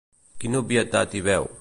Quina obvietat hi veu?